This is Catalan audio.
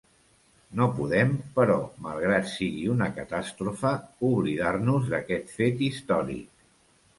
No podem, però, malgrat sigui una catàstrofe, oblidar-nos d'aquest fet històric.